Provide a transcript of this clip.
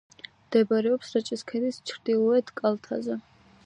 მდებარეობს რაჭის ქედის ჩრდილოეთ კალთზე.